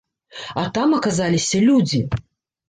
А там аказаліся людзі.